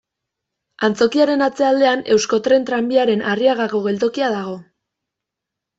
Antzokiaren atzealdean Euskotren Tranbiaren Arriagako geltokia dago.